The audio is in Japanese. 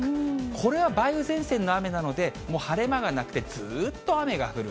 これは梅雨前線の雨なので、晴れ間がなくて、ずっと雨が降る。